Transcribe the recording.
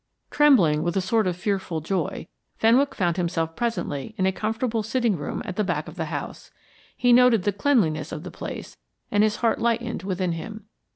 Trembling with a sort of fearful joy, Fenwick found himself presently in a comfortable sitting room at the back of the house. He noted the cleanliness of the place, and his heart lightened within him.